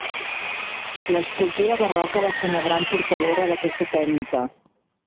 L'escultura barroca va ser una gran portadora d'aquesta tècnica.